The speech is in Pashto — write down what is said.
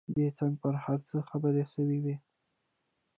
دى څنگه پر هر څه خبر سوى و.